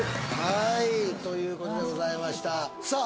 はいということでございましたさあ